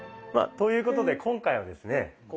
まあということで今回はですね